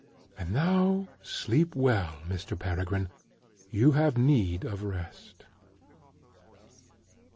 And now sleep well, Mr. Peregrine; you have need of rest."